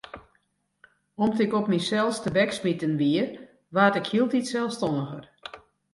Om't ik op mysels tebeksmiten wie, waard ik hieltyd selsstanniger.